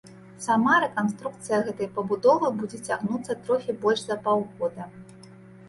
Сама рэканструкцыя гэтай пабудовы будзе цягнуцца трохі больш за паўгода.